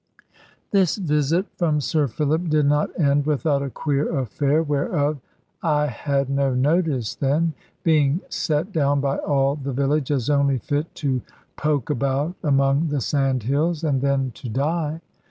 This visit from Sir Philip did not end without a queer affair, whereof I had no notice then, being set down by all the village as only fit to poke about among the sandhills, and then to die.